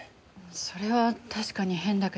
それは確かに変だけど。